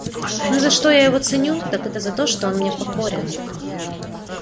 Но за что я его ценю, так это за то, что он мне покорен.